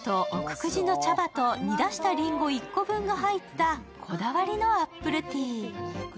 久慈の茶葉と煮出したりんご１個分が入ったこだわりのアップルティー。